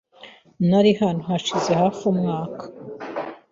Nari hano hashize hafi umwaka.